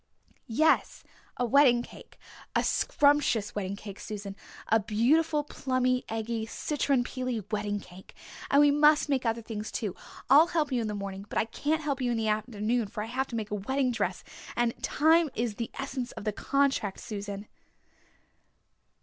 "Yes, a wedding cake a scrumptious wedding cake, Susan a beautiful, plummy, eggy, citron peely wedding cake. And we must make other things too. I'll help you in the morning. But I can't help you in the afternoon for I have to make a wedding dress and time is the essence of the contract, Susan."